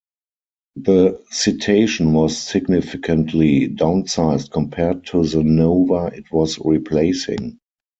The Citation was significantly downsized compared to the Nova it was replacing.